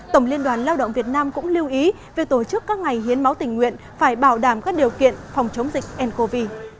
tổng liên đoàn lao động việt nam cũng lưu ý về tổ chức các ngày hiến máu tình nguyện phải bảo đảm các điều kiện phòng chống dịch ncov